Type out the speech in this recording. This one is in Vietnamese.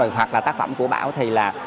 hoặc là tác phẩm của bảo thì là